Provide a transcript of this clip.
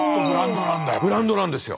ブランドなんですよ。